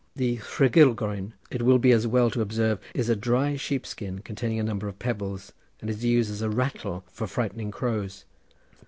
The Rhugylgroen, it will be as well to observe, is a dry sheep skin containing a number of pebbles, and is used as a rattle for frightening crows.